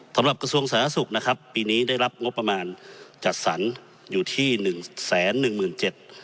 กระทรวงสาธารณสุขนะครับปีนี้ได้รับงบประมาณจัดสรรอยู่ที่หนึ่งแสนหนึ่งหมื่นเจ็ด